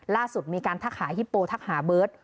ล่าสุดมีการทักหาฮิปโปทักหาเบิร์ต